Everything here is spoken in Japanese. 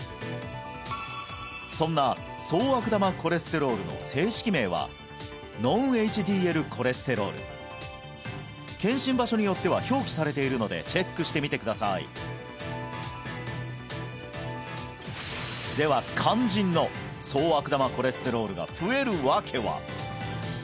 そんな総悪玉コレステロールの正式名はｎｏｎ−ＨＤＬコレステロール検診場所によっては表記されているのでチェックしてみてくださいでは肝心の総悪玉コレステロールが増える訳は？